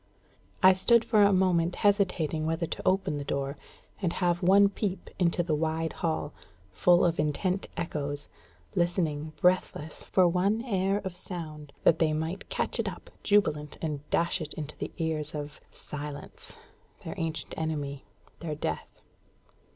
I stood for a moment hesitating whether to open the door, and have one peep into the wide hall, full of intent echoes, listening breathless for one air of sound, that they might catch it up jubilant and dash it into the ears of Silence their ancient enemy their Death.